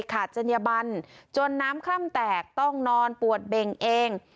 จัญญบันจนน้ำคล่ำแตกต้องนอนปวดเบ่งเอง